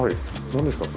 何ですか？